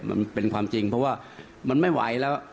มันเป็นความจริงเพราะว่ามันไม่ไหวแล้ว